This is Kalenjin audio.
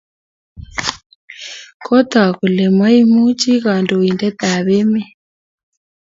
Ko tag kole maimuchi kandoindet ab emet